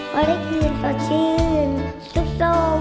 วันให้คืนสดชื่นสม